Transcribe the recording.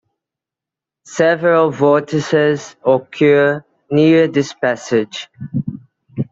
Several vortices occur near this passage.